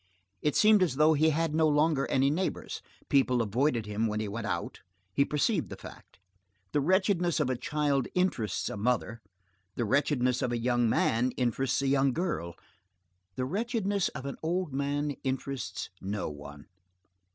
It seemed as though he had no longer any neighbors: people avoided him when he went out; he perceived the fact. The wretchedness of a child interests a mother, the wretchedness of a young man interests a young girl, the wretchedness of an old man interests no one.